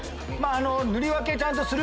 塗り分けをちゃんとすると。